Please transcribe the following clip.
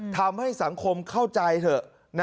ทำให้สังคมเข้าใจเถอะ